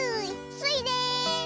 スイです！